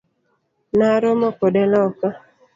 Naromo kode loka.